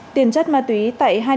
tiền chất ma túy tại hai đồng